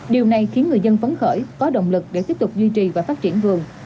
điều này khiến người dân phấn khởi có động lực để tiếp tục duy trì và phát triển vườn